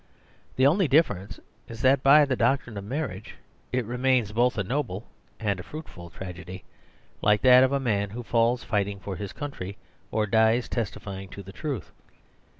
The only difference is that by the doctrine of marriage it remains both a noble and a fruitful tragedy ; like that of a man who falls fighting for his country, or dies testify ing to the truth.